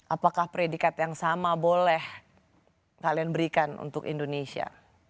apakah predikat yang sama boleh kalian berikan untuk indonesia